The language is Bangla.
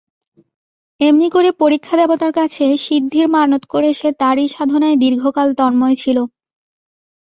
এমনি করে পরীক্ষাদেবতার কাছে সিদ্ধির মানত করে সে তারই সাধনায় দীর্ঘকাল তন্ময় ছিল।